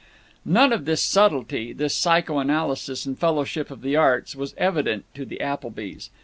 None of this subtlety, this psycho analysis and fellowship of the arts, was evident to the Applebys.